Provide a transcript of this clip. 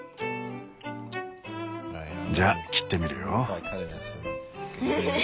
じゃあ切ってみるよ。